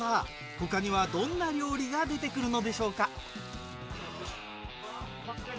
他にはどんな料理が出てくるのでしょうか？